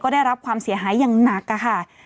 ได้รับความเสียหายอย่างหนักค่ะ